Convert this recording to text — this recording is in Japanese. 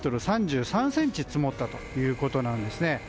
１ｍ３３ｃｍ積もったということなんですね。